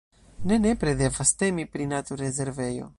Ne nepre devas temi pri naturrezervejo.